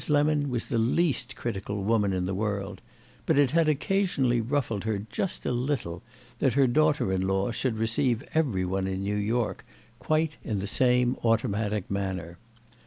Lemon was the least critical woman in the world, but it had occasionally ruffled her just a little that her daughter in law should receive every one in New York quite in the same automatic manner.